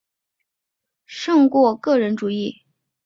信仰者强调集体利益胜过个人主义。